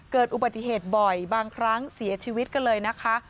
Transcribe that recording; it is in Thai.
เกิดอุบัติเหตุบ่อยบางครั้งเสียชีวิตกันเลยนะคะ